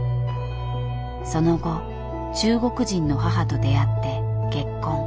その後中国人の母と出会って結婚。